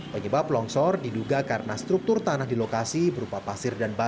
penyebab longsor diduga karena struktur tanah di lokasi berupa pasir dan batu